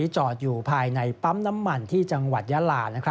จอดอยู่ภายในปั๊มน้ำมันที่จังหวัดยาลา